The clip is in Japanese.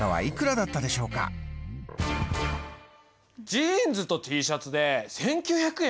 ジーンズとＴシャツで１９００円？